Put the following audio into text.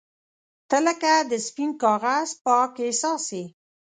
• ته لکه د سپین کاغذ پاک احساس یې.